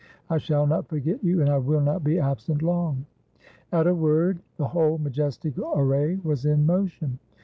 I shall not forget you, and I will not be absent long." At a word, the whole majestic array was in motion.